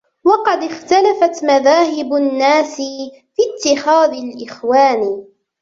وَقَدْ اخْتَلَفَتْ مَذَاهِبُ النَّاسِ فِي اتِّخَاذِ الْإِخْوَانِ